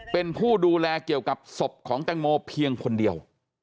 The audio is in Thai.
เป็นผู้ดูแลเกี่ยวกับศพของแตงโมเพียงคนเดียว